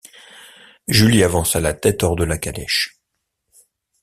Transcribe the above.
Julie avança la tête hors de la calèche.